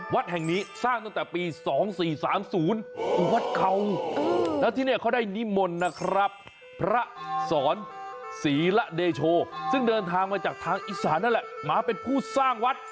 วัดแห่งนี้สร้างตั้งแต่ปี๒๔๓๐วัดเขาแล้วที่นี่เขาได้นิมนต์นะครับพระสอนศรีละเดโชซึ่งเดินทางมาจากทางอีสานนั่นแหละมาเป็นผู้สร้างวัด